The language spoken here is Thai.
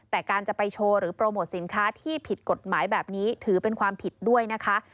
แต่การจะไปโชว์หรือโปรโมทสินค้าที่ผิดกฎหมายแบบนี้ถือเป็นความผิดด้วยนะคะ